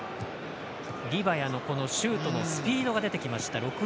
リバヤのシュートのスピードが出てきました。